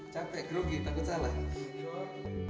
capek grogi takut salah